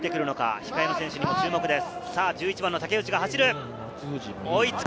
控えの選手にも注目です。